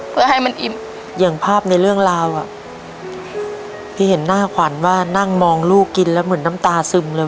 เพื่อให้มันอิ่มอย่างภาพในเรื่องราวอ่ะที่เห็นหน้าขวัญว่านั่งมองลูกกินแล้วเหมือนน้ำตาซึมเลย